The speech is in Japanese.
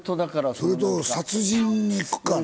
それと殺人に行くかな？